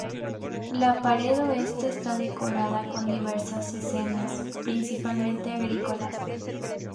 La pared oeste está decorada con diversas escenas, principalmente agrícolas.